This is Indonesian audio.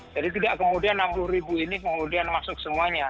jadi tidak kemudian enam puluh ribu ini kemudian masuk semuanya